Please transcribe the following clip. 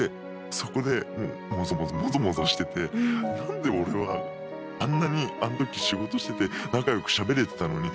そこでもうモゾモゾモゾモゾしてて何でオレはあんなにあの時仕事してて仲良くしゃべれてたのに